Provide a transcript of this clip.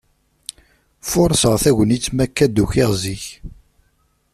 Furṣeɣ tagnit, mi akka d-ukiɣ zik.